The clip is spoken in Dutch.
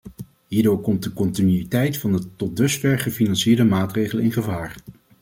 Hierdoor komt de continuïteit van de tot dusver gefinancierde maatregelen in gevaar.